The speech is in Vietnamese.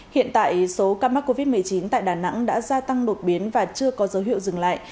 hiện tại số ca mắc covid một mươi chín tại đà nẵng đã gia tăng đột biến và chưa có dấu hiệu dừng lại